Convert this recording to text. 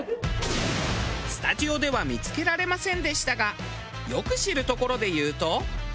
スタジオでは見付けられませんでしたがよく知るところでいうと。